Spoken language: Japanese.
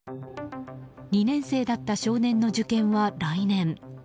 ２年生だった少年の受験は来年。